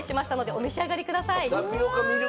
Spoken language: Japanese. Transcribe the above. お召し上がりください。